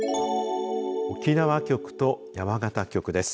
沖縄局と山形局です。